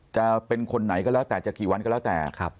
จะเป็นคนไหนก็แล้วแต่จะกี่วันก็แล้วแต่